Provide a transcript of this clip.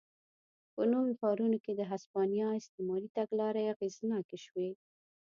په نویو ښارونو کې د هسپانیا استعماري تګلارې اغېزناکې شوې.